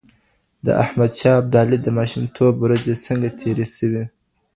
د احمد شاه ابدالي د ماشومتوب ورځې څنګه تېرې سوې؟